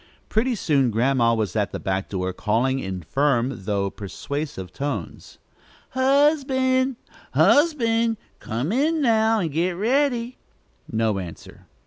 Pretty soon Grandma was at the back door calling in firm though persuasive tones: "Husband! husband! come in, now, and get ready." No answer.